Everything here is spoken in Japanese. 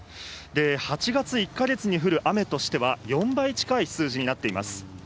８月１か月に降る雨としては、４倍近い数字になっています。